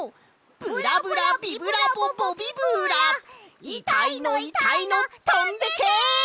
ブラブラビブラボボビブラいたいのいたいのとんでけ！